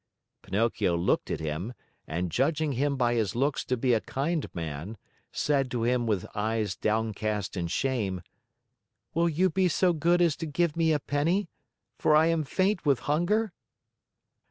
Pinocchio looked at him and, judging him by his looks to be a kind man, said to him with eyes downcast in shame: "Will you be so good as to give me a penny, for I am faint with hunger?"